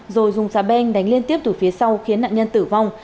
rồi dùng xà beng đánh liên tiếp từ phía sau khiến nạn nhân tử vong